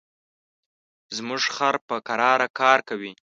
زموږ خر په کراره کار کوي.